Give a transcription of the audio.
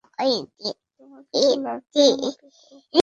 তোমার কিছু লাগলে, আমাকে কল করো।